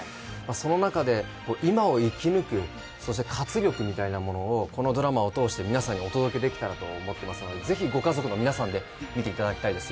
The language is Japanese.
その中で、今を生き抜く、そして活力みたいなものをこのドラマを通して皆さんにお届けできたらと思っていますので、ぜひご家族の皆さんで見ていただきたいです。